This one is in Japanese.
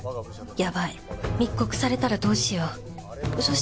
ヤバい密告されたらどうしよう。